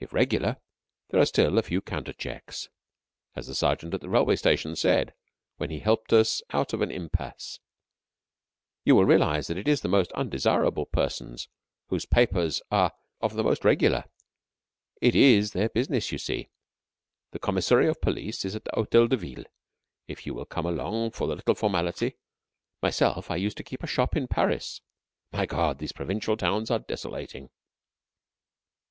If regular, there are still a few counter checks. As the sergeant at the railway station said when he helped us out of an impasse: "You will realize that it is the most undesirable persons whose papers are of the most regular. It is their business you see. The Commissary of Police is at the Hotel de Ville, if you will come along for the little formality. Myself, I used to keep a shop in Paris. My God, these provincial towns are desolating!"